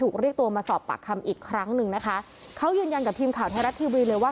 เรียกตัวมาสอบปากคำอีกครั้งหนึ่งนะคะเขายืนยันกับทีมข่าวไทยรัฐทีวีเลยว่า